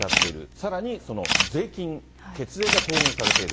さらにその税金、血税が投入されている。